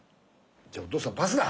じゃあお父さんパスだ！